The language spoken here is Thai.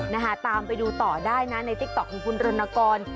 นะฮะตามไปดูต่อได้นะในติ๊กต๊อกของคุณรณกร